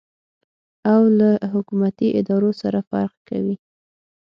او له حکومتي ادارو سره فرق کوي.